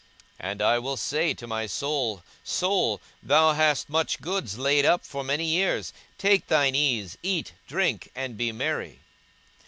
42:012:019 And I will say to my soul, Soul, thou hast much goods laid up for many years; take thine ease, eat, drink, and be merry.